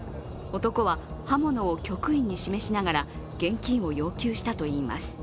男は刃物を局員に示しながら現金を要求したといいます。